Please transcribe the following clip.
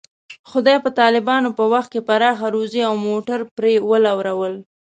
خدای په طالبانو په وخت کې پراخه روزي او موټر پرې ولورول.